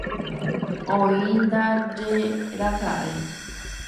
Oĩndajeraka'e.